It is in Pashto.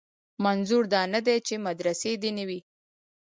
منظور دا نه دی چې مدرسې دې نه وي.